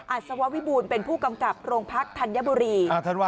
อัศววาวิบูลเป็นผู้กำกับโรงพรรคธัญบุรี